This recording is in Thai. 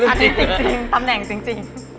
อ่าเป็นจริงตำแหน่งจริง